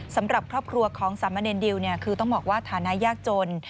สำหรับครอบครัวของสามเณรดิวคือต้องบอกว่าฐานะยากจน